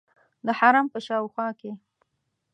د حرم په شاوخوا کې.